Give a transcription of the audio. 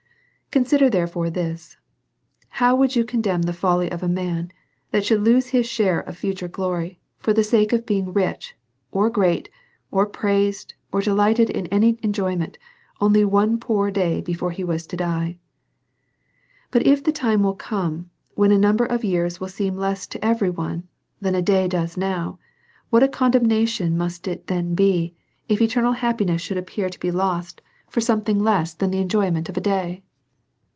Consider, therefore, this ; how would you condemn the folly of a man that should lose his share of future glory for the sake of being rich, or great, or praised, or delighted in any enjoyment, only one poor day be fore he was to die ? But if the time will come, when a number of years will seem less to every one than a day does now, what a condemnation must it then be, if eternal happiness should appear to be lost for something less than the enjoyment of a day